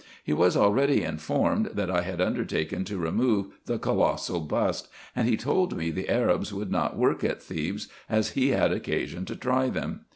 He was already informed, that I had undertaken to remove the colossal bust, and he told me the Arabs would not work at Thebes, as he had occasion to try them.